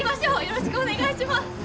よろしくお願いします。